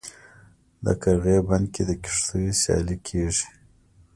د قرغې بند کې د کښتیو سیالي کیږي.